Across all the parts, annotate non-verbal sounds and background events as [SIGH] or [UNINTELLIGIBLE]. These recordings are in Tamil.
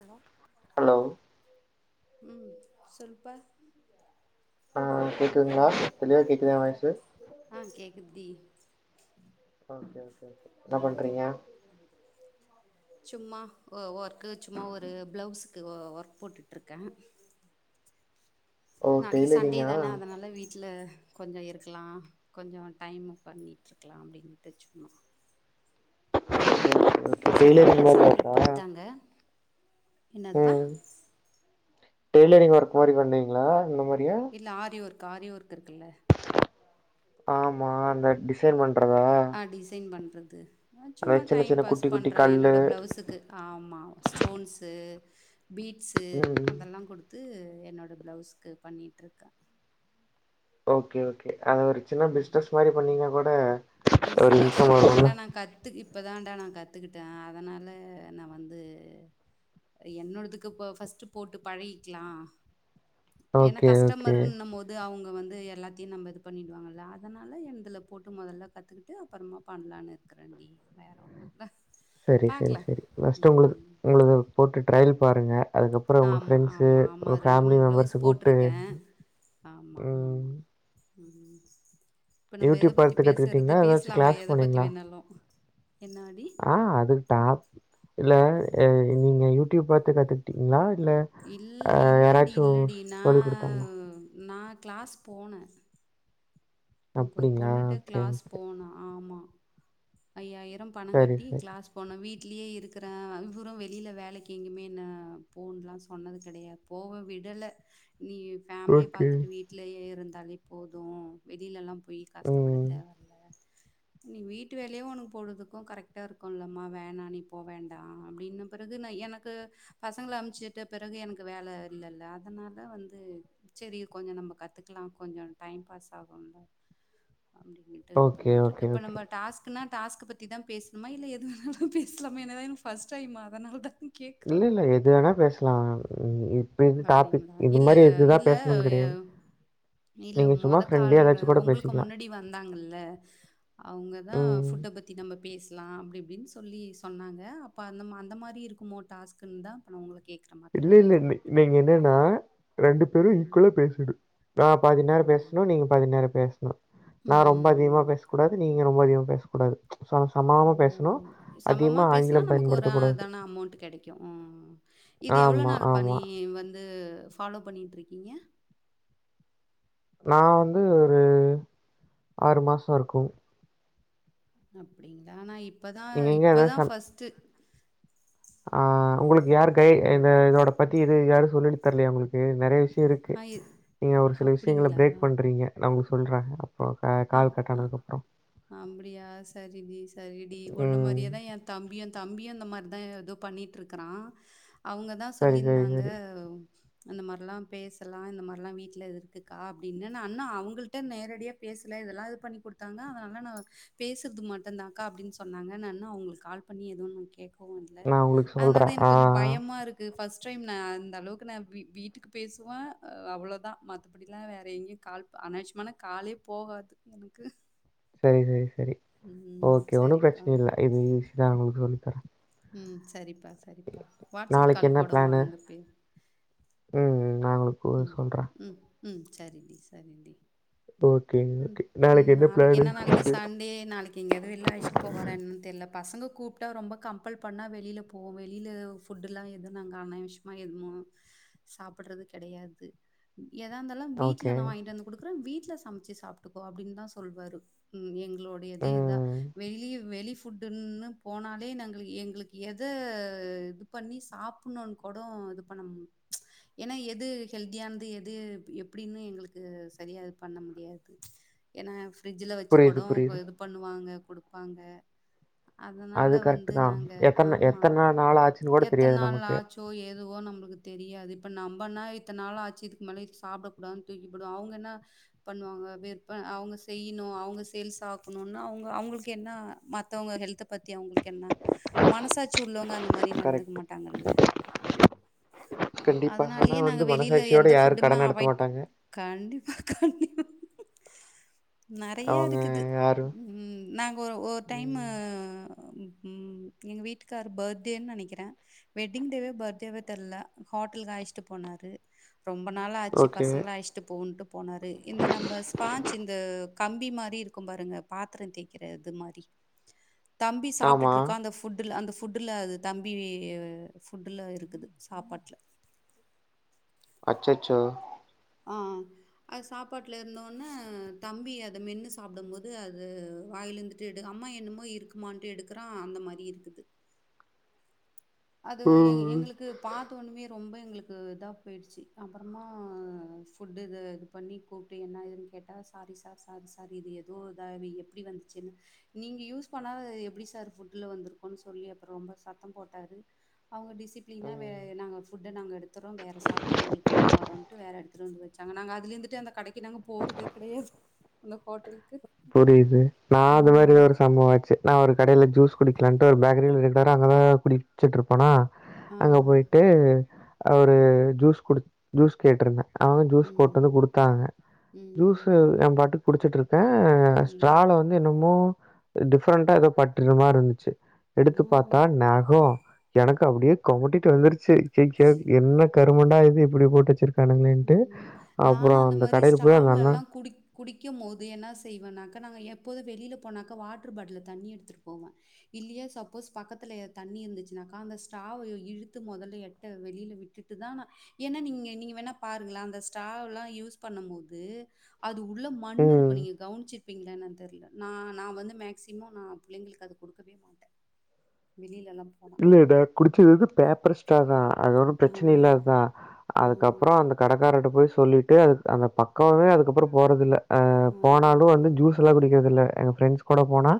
ஹலோ ஹலோ உம் சொல்லு ஆ எப்டி கேக்குதுங்ளா இருக்கீங்க தெளிவா கேக்குதா எ வாய்ஸு எப்டி ஓகே ஓகே ஓகே என்ன பண்றிங்க சும்மா வொ வொர்க்கு சும்மா ஒரு பிளவுஸ்க்கு ஒ ஒர்க் போட்டுட்ருக்கே ஓ நாளைக்கு சண்டே டெய்லரிங்கா தானே அதனால வீட்ல கொஞ்சம் இருக்கலாம் கொஞ்சம் டைம் பண்ணிட்டு இருக்கலாம் அப்படின்னு சும்மா உஹ [UNINTELLIGIBLE] பசங்களா இப்பதான் சாப்பிட்டு படுத்தாங்க என்னாப்பா ம் டெய்லரிங் வொர்க் மாரி பண்ணுவீங்களா இந்த மாதிரி இல்ல ஆரி ஒர்க் ஆரி ஒர்க் இருக்கு இல்ல ஆமா அந்த டிசைன் பண்றதா ஆ டிசைன் பண்றது அந்த சும்மா சின்ன டைம் சின்ன பாஸ் குட்டி குட்டி பண்றே கல்லு என்னோட பிளவுஸுக்கு ஆமா ஸ்டோன்ஸ் பீட்ஸ் ம் அதெல்லாம் கொடுத்து என்னோட பிளவுஸ்க்கு பண்ணிட்டு இருக்கேன் ஓகே ஓகே அத ஒரு சின்ன ஆமா. பிசினஸ் மாதிரி பண்ணுவீங்க போல ஒரு பிஸ்னஸ் இன்கம் வரும்ல கத்துக்கிட்ட அதனால நா வந்து என்னோடதுக்கு ப ஃபர்ஸ்ட் போட்டு பழகிக்லா ஏன ஓகே ஓகே கஸ்டமர்னும் போது அவுங்க வந்து எல்லாத்தையும் நம்ம இது பண்ணிடுவங்க அதனால என்துல போட்டு மொதல்ல கத்துகிட்டு அப்பறமா பண்லானு இருக்கறண்டி வேற ஒன்னு இல்ல சரி சரி பாக்கலாம். சரி ஃபஸ்ட் உங்ளுது ம். உங்ளுது போட்டு ட்ரைல் பாருங்க அதுக்கப்புற உங்க ஆமா, ஃபிரண்ட்ஸு ஆமா, ஆமா. உங்க ஃபேமிலி ப்ளவுஸ் மெம்பர்ஸ கூப்ட்டு போட்டிருக்கேன். ஆமா, ஆமா. ம் ம் இப்ப நம்ம எத யூட்யூப் பத்தி பாத்து பேசறது? கத்துகிட்டிங்ளா ஏதாச்சு பேசலாமா கிளாஸ் எத பத்தி போனிங்ளா வேணாலும்? என்னாடி? ஆ அது டாப் இல்ல எ நீங்க யூடியூப் பாத்து கத்துகிட்டிங்ளா இல்ல இல்லடி இல்லடி நா சொல்லிக் குடுத்தாங்களா? நா கிளாஸ் போன இங்க ஒரு அப்டிங்களா? பொண்ணு கிட்ட ஓகே, கிளாஸ் ஓகே. போனா ஆமா ஐயாயிர ம் சரி, பணங்கட்டி சரி. கிளாஸ் போன வீட் லயே இருக்கற இவுறு வெளில வேலைக்கு எங்கேமே என்ன போன்லா சொன்னது கெடையா போவ விடல நீ ஃபேமிலிய ஓகே. பாத்துட்டு வீட்லயே இருந்து தாலே போதோ வெளிலெல்லாப் போய் கஷ்டப்பட ம். தேவ இல்ல நீ வீட்டு வேலயே உனக்கு பொழுதுக்கோ கரெக்ட்டா இருக்குலமா வேணா நீ போ வேண்டா அப்டின்னு பிறகு நா எனக்கு பசங்கள அமுச்சுட்டு பிறகு எனக்கு வேல இல்லல அதனால வந்து செரி கொஞ்சோ நம்ம கத்துக்குலா கொஞ்சோ டைம் பாஸ் அப்பறோண்டா அப்டின்ட்டு இது ஓகே, பண்ணிட்டு இருக்க ஓகே, இப்ப ஓகே. நம்ம டாஸ்க்னா டாஸ்க் பத்தி தா பேசணுமா இல்ல எது வேனாலோ பேசலாமா ஏனா இதா என் ஃபஷ்ட் டைம் அதனால தா இல்ல இல்ல எது வேணா பேசலா உ உ அப்டீங்களா இல்ல இல்ல கிடையாது. இல்ல நீங்க சும்மா மொதக்கால் ஃப்ரெண்ட்லியா ஏதாச்சும் கூட உங்களுக்கு பேசிக்கலாம். முன்னாடி வந்தாங்கள்ள அவங்கதா ம். ஃபுட்ட பத்தி நம்ம பேசலா அப்டி அப்டின்னு சொல்லி சொன்னாங்க அப்ப அந்தமா அந்த மாரி இருக்குமோ டாஸ்குனு தா உங்க கேட் இல்ல இல்ல நீங் நீங்க என் என்னனா ரெண்டு பேரு ம். ஈக்குவலா பேசுனோ நா பாதினேர ஓ! பேசுனோ நீங்க பதினேர பேசுனோ நா ரொம்ப அதிகமா ம். பேச கூடாது நீங்க ரொம் இப்ப அதிகோ பேசக்கூடாது சம ஓ சமமா பேசணும். சமமா அதிகமா பேசினா ஆங்கிலம் நமக்கு ஒரு பயன்படுத்தக்கூடாது. அதான அமவுண்ட் கெடைக்கோ இது எவ்ளோ ஆமா, நாள் பணி ஆமா. வந்து து ஃபாலோ பண்ணிட்டு இருக்கீங்க நான் வந்து ஒரு ஆறு மாசோ இருக்கோ அப்டீங்களா நா இப்ப இப்பதா நீங்க எங்க இப்பதா ஏதாவது சம் ஃபர்ஸ்ட்டு ஆ உங்குளுக் யாரு கை ஆ. இந்த இதோட பத்தி இது யாரு சொல்லித்தரலயா உங்குளுக்கு நெறய விஷயோ இருக்கு ஆ. இ நீங்க ஒரு சில விஷயங்கள பிரேக் பண்றீங்க நா உ சொல்றே அ அ அப்டியா சரி டி சரி டி உன்ன ம். மாரியேதா எ தம்பியு தம்பியு அந்த மாரி அதா எதோ பண்ணிட்டு இருக்கிறா அவுங்க தா சரி, சரி, சொல்லிந்தாங்க சரி. அந்த மாரிலா பேசலா இந்த மாரிலா வீட்ல இருக்குக்கா அப்டீனு நா இன்னோ அவுங்கள்ட்ட நேரடியா பேசல இதெல்லா இது பண்ணி குடுத்தாங்க அதனால நா பேசுனுது மட்டுதாக்கா அப்டீனு சொன்னாங்க நான் இன்ன அவுங்குளுக்கு கால் பண்ணி எதுவு கேக் போல நான் உங்களுக்கு அதனால தா சொல்றேன். எனக்கு ஆ. கொஞ்சோ பயமா இருக்கு ஃபஸ்ட் ஃப்ர்ஸ்ட் டைம் நா அந்த அளவுக்கு நா வீ வீட்டுக்கு பேசுவ அவ்ளோதா மத்த படிலா வேற எங்கேயு கால் அனா விஷயமாலா காலே போகாது எனக்கு சரி சரி சரி ம். ஓகே ஒன்னும் சரிப்பா. பிரச்சன இல்ல இது ஈஸி தா உங்களுக்கு சொல்லி தர ம் சரிப் ப்பா சரிப்பா வாட்ஸ்அப் நாளைக்கு கால் என்ன கூட பிளானு? வாங்கப்ப நா உங்களுக்கு சொல்ற ம் சரி டி சரி டி ஓகே, ம் ஓகே. நாளைக்கு பிளானு? என்ன நாளைக்கு சண்டே நாளைக்கு எங்கயாது வெளில அழச்சிட்டு போவாறா என்னன்னு தெரியல பசங்க கூப்பிட்டா ரொம்ப கம்பல் பண்ணா வெளில போவோம் வெளில ஃபுட்டு லா எதும் நாங்க அனாவிஷ்யமா எதுவு சாப்புட்றது கெடையாது எதா இருந்தாலும் வீட்ல ஓகே. நா வாங்கிட்டு வந்து குடுக்குறே வீட் ட்ல சமச்சி சாப்ட்டுக்கோ அப்டின்னு தா சொல்லவாரு எங்க எங்களோடையதே இதா ம். வெளியே வெளி ஃபுட்டுனு போனாலே நாங்க எங்களுக்கு எத இது பண்ணி சாப்பிடணும்னு கூட இது பண்ணும் ஏன்னா எது ஹெல்தியானது எது எப்டின்னு எங்ளுக்கு சரியா இது பண்ண முடியாது ஏன்னா பிரிட்ஜில வச்சுக்கொட புரியுது, புரியுது. இது பண்ணுவாங்க குடுப்பாங்க அதனால அது கரெக்ட் வந்து தான். நாங்க எத்தன ஆமா எத்தன நாள் ஆச்சுன்னு கூட எத்தன தெரியாது நாள் நமக்கு. ஆச்சோ எதுவோ நம்மளுக்கு தெரியாது இப்ப நம்பன்னா இத்தன்னாளாச்சி இதுக்கு மேலே இத சாப்டக்கூடாதுனு தூக்கிப்போடுவோ அவங்க என்ன பண்ணுவாங்க விற்பன அவங்க செய்ணும் அவங்க சேல்ஸ் ஆக்கணும் அவங்க அவங்களுக்கு என்ன மத்தவங்க ஹெல்த்த பத்தி தி அவுங்ளுக்கு என்ன மனசாட்சி உள்ளவங்க அந்த மாரி நடந்துக்க கரெக்ட். மாட்டாங்கல்ல கண்டிப்பா. ஆனா அதனாலயே நாங்க வந்து வெளில மனசாட்சியோட எந்த யாரும் ஃபுட்டுமே கடன் நடத்த அவாய்டு மாட்டாங்க. கண்டிப்பா கண்டிப்பா நெறையா அவங்க இருக்குது யாரும் ம் நாங்க ஒ ஒரு டைமு ம் ம் எங்க வீட்டுக்காரு பர்த்டேன்னு நெனைக்கிறே வெட்டிங் டேவே பர்த்டேவே தெர்ல ஹோட்டலுக்கு அழச்சிட்டு போனாரு ரொம்ப நாள் ஆச்சு ஓகே பசங்கள அழச்சிட்டு போவும்ன்ட்டு போனாரு இந்த நம்பர் இந்த கம்பி மாரி இருக்கும் பாருங்க பாத்திர தேய்க்ற இது மாரி தம்பி ஆமா சாப்டுட்டு இருக்க அந்த ஃபுட்டுல அந்த ஃபு ஃபுட்டுல அது தம்பி ஃபுட்டுல இருக்குது சாப்பாட்ல அச்சச்சோ ஆ அது சாப்பாட்டுல இருந்தோனே தம்பி அத மென்னு சாப்பிடும் போது அது வாயில இருந்துட்டு எடு அம்மா என்னமோ இருக்குமான்ட்டு எடுக்கறான் அந்த மாரி இருக்குது அது எ ம் எங்களுக்கு பாத்து ஒண்ணுமே ரொம்ப எங்களுக்கு இதா போயிடுச்சு அப்பறமா ஃபுட்டு இத இது பண்ணி கூப்ட்டு என்ன இதுன்னு கேட்டா சாரி சார் சாரி சார் இது ஏதோ இதா எப்டி வந்துச்சுன்னு நீங்க யூஸ் பண்ணாத எப்டி சார் ஃபுட்டுல வந்திருக்கோன்னு சொல்லி அப்புறம் ரொம்ப சத்தம் போட்டாரு அவங்க டிசிப்ளனா வே ம் நாங்க ஃபுட்ட நாங்க எடுத்துறோ வேற சாப்பாடு உங்களுக்கு கொண்டு வரோன்ட்டு வேற எடுத் எடுத்துட்டுவந்து வச்சாங்க நாங்க அதுல இருந்துட்டு அந்த கடைக்கு நாங்க போறதே கெடையாது அந்த ஹோட்டல் புரியுது நா அது மாரி ஒரு சம்பவ ஆச்சு நா ஒரு கடையில ஜூஸ் குடிக்கலான்ட்டு ஒரு பேக்கரியில ரெகுலரா அங்கதா குடிச்சிட்ருப்பனா ஆ அங்க போயிட்டு அவரு ஜூஸ் குடு ஜூஸ் கேட்ருந்த அவங்க ஜூஸ் போட்டு வந்து ம் குடுத்தாங்க ஜூஸ் ம் நா பாட்டுக்கு குடிச்சிட்ருக்கே ஆ ம் ஸ்ட்ரால வந்து என்னமோ டிஃப்ரெண்டா எதோ பட்டுற மாரி இருந்துச்சு ம் எடுத்து பாத்தா நகோ எனக் க அப்டியே கொமட்டிட்டு வந்திருச்சி சி [UNINTELLIGIBLE] என்னா கர் கௌமெண்ட்டா இது இப்பிடி போட்டு வெச்சிருக் ம் நானு அந்த மாரி கடையில போய் அந்த ஸ்ட்டாவுலெல்லா அண்ணன் குடிக் குடிக்கம் மோது என்னா செய்வனாக்கா நாங்க எப்போதோ வெளில போனாக்கா வாட்டர் பாட்டில்ல தண்ணீ எடுத்துட்டு போவே இல்லியா சப்போஸ் பக்கத்துல எ தண்ணீ இருந்துச்சுனாக்கா அந்த ஸ்ட்ராவ எ இழுத்து மொதல்ல எட்ட வெளில விட்டுட்டுதா நா ஏனா நீங்க நீங்க வேணா பாருங்ளே அந்த ஸ்ட்ராவுலா யூஸ் பண்ணும் மோது அது து உள்ள மண்ணு இருக்கோ ம். நீங்க கவுன்ச்சி பீங்கென்னான் தெர்ல நா நா வந்து மேக்ஸ்சிமோ நா புள்ளைங்களுக்கு அத குடுக்கவே மாட்டே வெளிலலாம் இல்லே டா குடிச்சது எது பேப்பர் ஸ்ட்ராதா அது ஒரு ஆ பிரச்சனையே இல்லாத்தா ஆ ஆ அதுக்கப்பறோ அந்த கடக்காரர்கிட்ட போயி சொல்லி டே அந்த பக்கோவே அதுக்கப்பறோ போறதில்லே ஆ போனாலு வந்து ஜூஸ்லா குடிக்கறதில்லா எ ஃப்ரெண்ட்ஸ் கூட போனா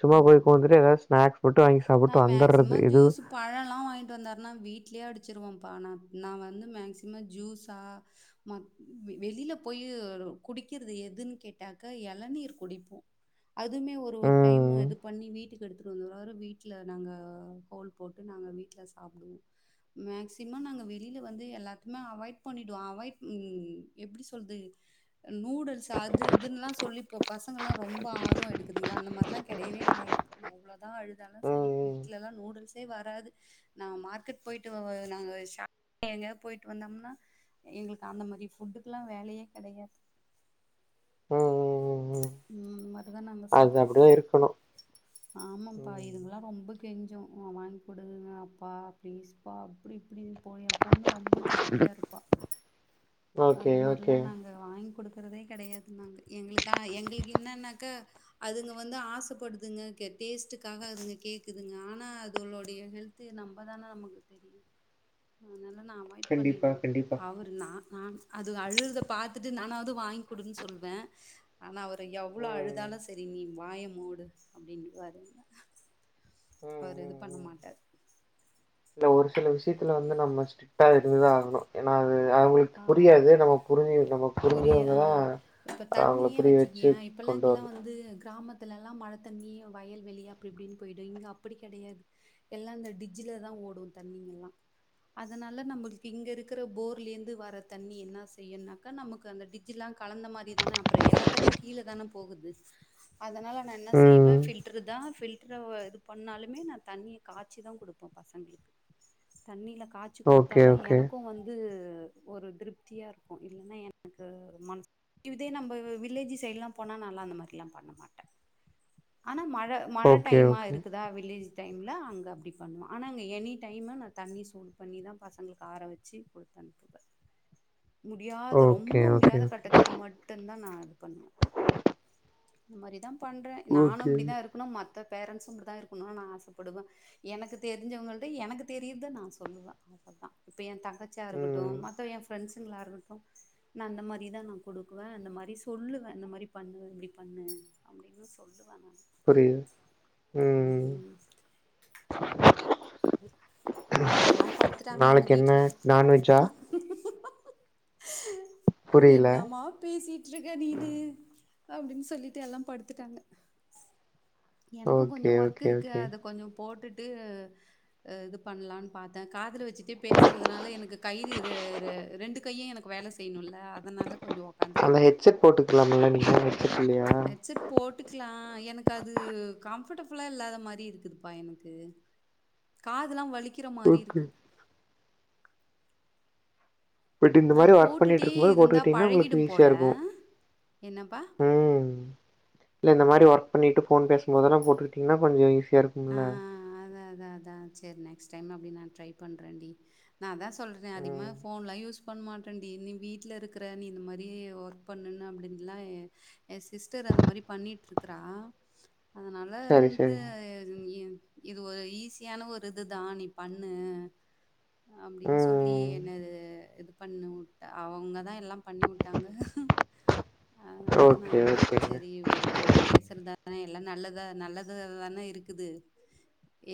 சும்மா போயி இப்ப ம் வந்துட்டு எதாது ஸ்நாக்ஸ் மோட்டு வாங்கி சாப்புட்டு வந்தரது ம ஜூஸ் பழலோலா வாங்கிட்டு வந்தார்னா வீட்டலயே அடிச் சிருவோம்பா நானு நா வந்து மேக்ஸ்சிமா ஜூஸ்சா மா வெளில போயி குடிக்கிறது எதுன் கேட்டாக்க எளநீர் குடிப்போ அதுமே ஒரு ஒரு டைம் ம். இது பண்ணி வீட்டுக்கு எடுத்துட்டு வந்துவாரு வீட்டில நாங்க ஹோல் போட்டு நாங்க வீட் தா சாப்பிடுவோம் மேக்சிமம் நாங்க வெளியில வந்து எல்லாத்தயுமே அவாய்ட் பண்ணிடுவோ அவாய்ட் எப்படி சொல்லுது அ நூடுல்ஸ் அது இதுன்லா சொல்லி இப்போ பசங்கலாம் ரொம்ப ஆர்வம் எடுக்குதுங்களா அந்த மார் ளாம் கெடையவே கெடையாது எவ்வளவுதா அழுதாலு ம். செரி ம். வீட்டுலலாம் நூடுல்ஸே வராது நா மார்க்கெட் போயிட்டு நாங்க ஷா எங்கயாவது போயிட்டு வந்தோம்னா எங்களுக்கு அந்த மாரி ஃபுட்டுக்கலா வேலையே கெடையாது ம். ம். ம். ம் அ அதா நாங்க அது சாப்டுட்டு அப்படிதான் இருக் இருக்கணும். ஆமாம்பா ம். இதுங்கெல்லா ரொம்பக் கெஞ்சும் மா வாங்கிகுடுங்க அப்பா பிளீஸ்பா அப்படி இ்ப்படினு என் பொண்ணு ரொம்ப சுட்டியா இருப்பா. Okay okay. வாங்கிக்குடுக்குறதே கெடையாது நாங்க எங்களுக்கா எங்களுக்கு என்னன்னாக்க அதுங்க வந்து ஆசைப்படுதுங்க டேஸ்டுக்காக அதுங்க கேக்குதுங்க ஆனா அதுகலுடைய ஹெல்த் நம்ப தானே நமக்கு தெரியு அதனால. நா அவாய்ட் கண்டிப்பா, பண்ணிடுவே கண்டிப்பா. அவரு நா. ஆஹ அது அழுறத பாத்துட்டு நானாவது வாங்கிக்குடுன்னு சொல்லுவே ஆனா அவர் எவ்வளோ ம். அழுதாலு சரி நீ வாய மூடு அப்டின்னு வரு என்ன. ம். அவரு இது ம். பண்ண ம். மாட்டாரு. ஒரு சில விஷயத்தில வந்து நம்ம ஸ்டிக்டா இருந்துதா ஆகணு ஏன்னா. அது அவுக்கு ஆமா. புரியாது நம்ம புரிஞ்சு நம்ம புரிய ஆ. புரிஞ்சவங்கதா இப்ப அவங்கள தண்ணியே புரிய வெச்சு கொண்டு வரணு துலல்லாம் மழை தண்ணி வயல் வெளி அப்படி இப்படின்னு போயிடு இங்க அப்படி கெடையாது எல்லா இந்த டிஜ்ல தா ஓடு தண்ணிங்க எல்லா அதனால நம்மளுக்கு இங்க இருக்க போர்லயிருந்து. வர தண்ணி என்ன செய்யுன்னாக்கா நமக்கு அந்த டிஜ்ல்லா கலந்த மாரி தானே அப்புறோ எல்லா தண்ணியுமகீழ தானே போகுது அதனால நா என்ன செய்வே ம் ஃபில்டர் தா ஃபில்டர் இது பண்ணாலுமே நா தண்ணிய காய்ச்சி தா குடுப்போ பசங்களுக்கு தண்ணில. காய்சி குடுத்தா ஓகே தா ஓகே எனக்கும் வந்து. ஒரு திருப்தியா இருக்கோ இல்லலைன்னா எனக்கு மனசுக்கு. இதே நம்ம வில்லேஜி சைடு எல்லா போனா நா எல்லா அந்த மாரி எல்லா பண்ண மாட்டே ஆனா மழ. மழ மழை ஓகே டைமா ஓகே இருக்குதா வில்லேஜ். டைமில அங்க அப்டி பண்ணுவோ ஆனா அங்க எனி டைம் நா தண்ணி சூடு பண்ணி தா பசங்களுக்கு ஆற வெச்சு குடுத்து அனுப்பு முடியாத ஓகே ரொம்ப முடியாத ஓகே ஓகே கட்டத்துக்கு மட்டுதா நா. அது பண்ணுவோ. இந்த மாரிதா பண்றே நானு ஓகே இப்டித்தா இருக்கணு மத்த. பேரன்ஸ்சும் இப்டிதா இருக்கும்னு நா ஆசைப்படுவே. எனக்கு தெரிஞ்சவங்ககிட்ட எனக்கு தெரியுரத நா சொல்லுவே அவ்ளோதா இப்ப என் தங். தங்கச்சியாருக்கட் ம் டும் மத்த என் ஃப்ரண்ட்ஸ். ங்களா இருக்கட்டு நா இந்த மாரி தா நா கொடுக்குவே அந்த மாரி சொல்லுவே அந்த மாரி பண்ணுவ இப்படி பண்ணு அப்டின்னு சொல்லு. புரியுது உஹம். ம் எல்லா படுத்துட்டாங்க எங்க நாளைக்கு என்ன வீட்ல நான்வெஜ்ஜா ஹே உஹம். புரியல என்னமா பேசிட்டு. ட்டுருக்க நீன்னு அப்டின்னு சொல்லி எல்லா படுத்துட்டாங்க. எனக்கும் கொஞ்சோ ஓகே ஒர்க் ஓகே இருக்கு ஓகே அத கொஞ்சோ போட்டு. ட்டு இது பண்ணலாம்னு பாத்தே காதுல வெச்சுட்டே பேசுறதுனால எனக்கு கை ரெண்டு கையும் எனக்கு வேல செய்யணும்ல. அதனால கொஞ்சம் அந்த உட்காந்துட்டேன். ஹெட்செட் போட்டுக்கலாம்ல நீங்க. இல்லையா ம்ச் ஹெட்செட் போட்டுக்கலா எனக்கு அது கம்பர்டபுலா. புலா இல்லாத மாரி இருக்குதுப்பா எனக்கு காதுல்லா வலிக். லிக்கிற மாதிரி ஓகே இருக்கு. பட் இந்த மாரி அது ஒர்க் பண்ணிட்டு போட்டுட்டே இருக்கும் போது இருந்தா போட்டுக்கிட்டீங்கன்னா உங்களுக்கு பழகிடும் ஈஸியா போல. இருக்கும் என்னப்பா? உம் இல்ல இந்த மாரி ஒர்க். பண்ணிட்டு, ஃபோன் பேசும்போதெல்ல போட்டுக்கிட்டீங்கன்னா கொஞ்சோ ஈஸியா இருக்கும்ல அத்தா அத்தா அத்தான் சேரி நெக்ஸ்ட் டைம் அப்டி நா ட்ரை பண்றேன்டி நா அத்தான் சொல்றேன் அதிகமா ம் போன்லா யூஸ் பண் மாட்டன்டி நீ வீட்டு்ல இருக்கற நீ இந்த மாதிரி ஒர்க் பண்ணு அப்படின்னுல்லாம் என் சிஸ்டர் அந்த மாதிரி பண்ணிட்டு இருக்றா. அதனால சரி வந்துட்டு சரி இது ஒரு ஈஸியான ஒரு இதுதான் நீ பண்ணு அப்படின்னு சொல்லி ம் என்ன இது பண்ண உட்ட அவுங்க தா எல்லாம் பண்ணி உட்டாங்க ஹஹு அதனாலதான் ஓகே ஓகேங்க செரி ஓகே பேசறதா எல்லாம் நல்லதா நல்லததானே இருக்குது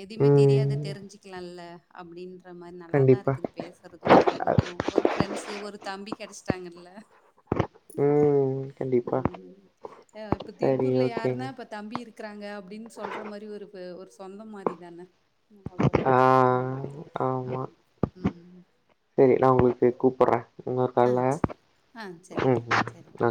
எதுமே தெரியாத ம் தெரிஞ்சிக்கலாங்ல அப்டிந்து இந்த மாதிரி நல்லா தான் கண்டிப்பா இருக்குது பேசுறதும் பழகுறதும் ஒரு பிரெண்ட்ஸ் ஒரு தம்பி கிடைச்சி ட்டாங்கல்ல. ம் கண்டிப்பா உம் இப்ப சரி திருப்பூர்ல யாருன்னா ஓகேங்க இப்ப தம்பி இருக்கு இக்றாங்க அப்டின்னு சொல்ற மாரி ருக்கு ஒரு சொந்த மாரி தானே அவ்ளோதா ஆ வேற ஒண்னுல்ல ஆமா உம் வை உங்களுக்கு கூப்புரா உங்க க்கால ஆ உம் சரிடி சரிடி நா